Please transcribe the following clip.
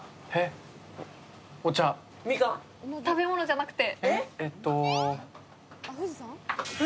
食べ物じゃなくて。